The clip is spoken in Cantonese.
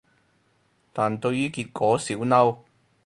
但對於結果少嬲